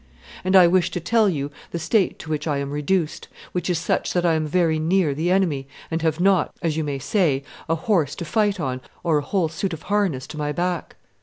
And I wish to tell you the state to which I am reduced, which is such that I am very near the enemy, and have not, as you may say, a horse to fight on or a whole suit of harness to my back.